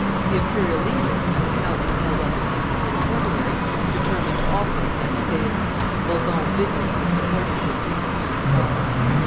The imperial leaders, at a council held on the 23d of February, determined to offer it next day. Bourbon vigorously supported the opinion of Pescara.